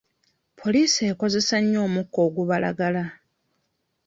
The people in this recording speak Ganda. Poliisi ekozesa nnyo omukka ogubalagala.